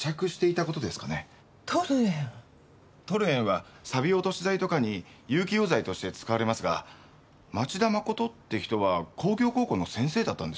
トルエンはさび落とし剤とかに有機溶剤として使われますが町田誠って人は工業高校の先生だったんでしょ？